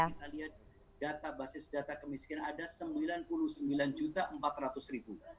kita lihat data basis data kemiskinan ada sembilan puluh sembilan empat ratus